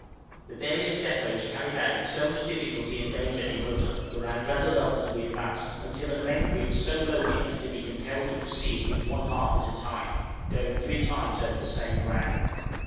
The various depôts carried out with so much difficulty and danger in the autumn, were now gathered up as we advanced, until at length we were so loaded as to be compelled to proceed with one half at a time, going three times over the same ground.